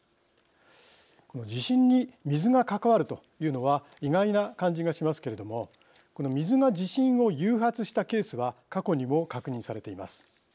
地震に水が関わるというのは意外な感じがしますけれども水が地震を誘発したケースは過去にも確認されています。